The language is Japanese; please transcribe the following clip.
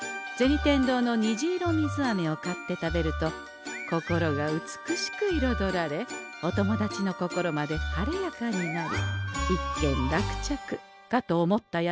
天堂の「虹色水あめ」を買って食べると心が美しくいろどられお友達の心まで晴れやかになり一件落着かと思ったやさき。